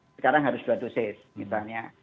sekarang harus dua dosis misalnya